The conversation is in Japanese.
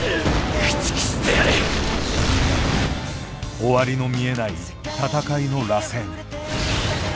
終わりの見えない戦いの螺旋。